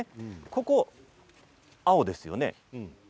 ここ、青ですよね。